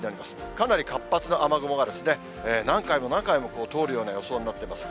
かなり活発な雨雲がですね、何回も何回もこう、通るような予想になってます。